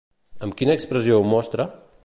Amb quina expressió ho mostra?